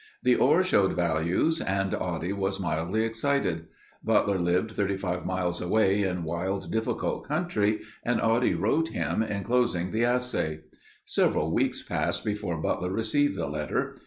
The ore showed values and Oddie was mildly excited. Butler lived 35 miles away in wild, difficult country and Oddie wrote him, enclosing the assay. Several weeks passed before Butler received the letter.